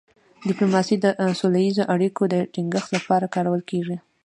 ډيپلوماسي د سوله ییزو اړیکو د ټینګښت لپاره کارول کېږي.